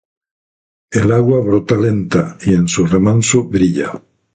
El agua brota lenta, y en su remanso brilla.